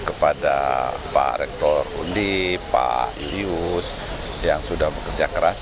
kepada pak rektor undi pak lius yang sudah bekerja keras